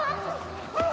ああ！